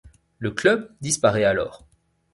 Le club disparait alors.